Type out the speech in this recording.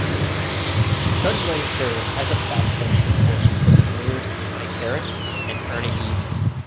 Chudleigh served as a backbench supporter for Premiers Mike Harris and Ernie Eves.